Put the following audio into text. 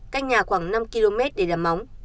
cách nhà khoảng năm km để làm móng